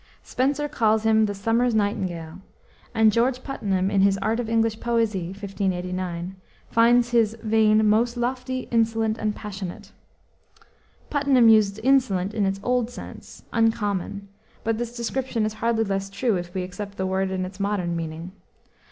Spenser calls him "the summer's nightingale," and George Puttenham, in his Art of English Poesy (1589), finds his "vein most lofty, insolent, and passionate." Puttenham used insolent in its old sense, uncommon; but this description is hardly less true, if we accept the word in its modern meaning.